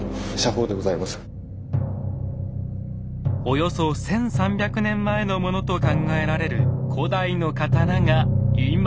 およそ１，３００年前のものと考えられる古代の刀が今。